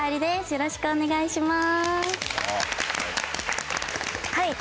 よろしくお願いします。